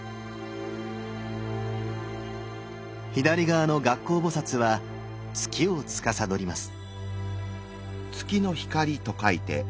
左側の月光菩は月をつかさどります。